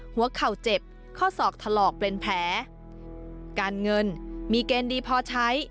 หัวเข่าเจ็บข้อศอกถลอกเป็นแผลการเงินมีเกณฑ์ดีพอใช้